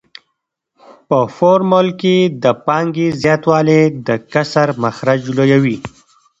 په فورمول کې د پانګې زیاتوالی د کسر مخرج لویوي